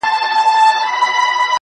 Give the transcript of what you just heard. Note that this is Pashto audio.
د ازلي قهرمانانو وطن-